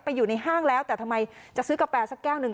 อยู่ในห้างแล้วแต่ทำไมจะซื้อกาแฟสักแก้วหนึ่ง